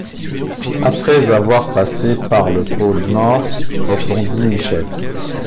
Après avoir passé par le pôle nord, répondit Michel.